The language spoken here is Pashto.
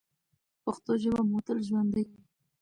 پښتو ژبه مو تل ژوندۍ وي.